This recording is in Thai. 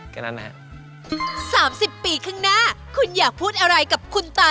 แค่นั้นนะครับ